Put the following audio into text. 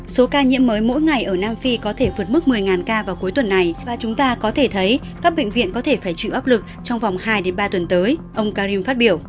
số ca nhiễm mới mỗi ngày ở nam phi có thể vượt mức một mươi ca vào cuối tuần này và chúng ta có thể thấy các bệnh viện có thể phải chịu áp lực trong vòng hai ba tuần tới ông karim phát biểu